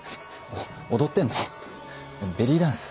踊ってんの？ベリーダンス？